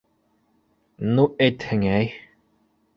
- Ну этһең, әй!